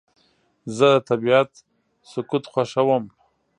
زه د طبیعت سکوت خوښوم.